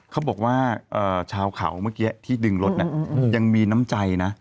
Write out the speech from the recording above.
เขาบอกว่าชาวเขาเมื่อกี้ที่ดึงรถยังมีน้ำใจนะ